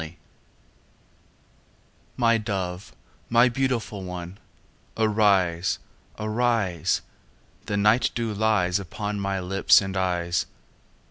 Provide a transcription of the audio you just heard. XIV My dove, my beautiful one, Arise, arise! The night dew lies Upon my lips and eyes.